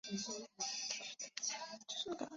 该物种的模式产地在印度特兰克巴尔。